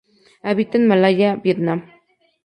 Habita en Malaya, Vietnam.